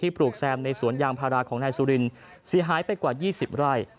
ที่ปลูกแซมในศวรยางภาราของนายสุรินทธิ์ซีหายไปกว่า๒๐ลาย